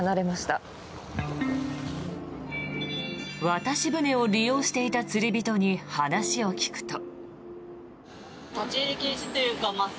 渡し船を利用していた釣り人に話を聞くと。